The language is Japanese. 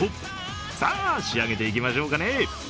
さあ、仕上げていきましょうかね。